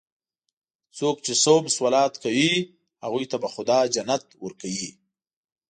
څوک چې صوم صلات کوي، هغوی ته به خدا جنت ورکوي.